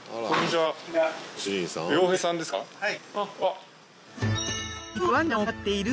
はい。